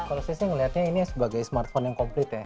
kalau saya sih melihatnya ini sebagai smartphone yang komplit ya